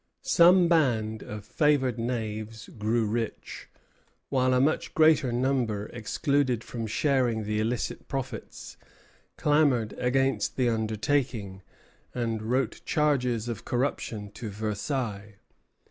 Some band of favored knaves grew rich; while a much greater number, excluded from sharing the illicit profits, clamored against the undertaking, and wrote charges of corruption to Versailles.